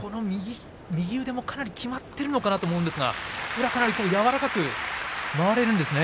右腕もかなりきまっているのかなと思いますが宇良、柔らかく回れるんですね。